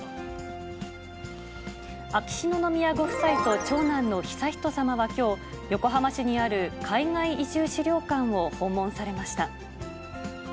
秋篠宮ご夫妻と長男の悠仁さまはきょう、横浜市にある海外移住資料館を訪問されました。